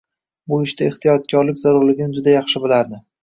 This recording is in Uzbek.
Bu ishda ehtiyotkorlik zarurligini juda yaxshi bilardi